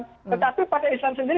tetapi partai islam sendiri